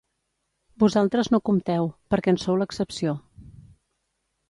Vosaltres no compteu, perquè en sou l'excepció.